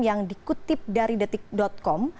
yang dikutip dari detik com